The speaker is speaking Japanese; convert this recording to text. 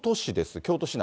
京都市内。